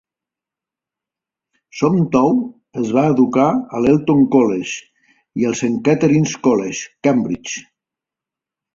Somtow es va educar a l'Eton College i al Saint Catharine's College, Cambridge.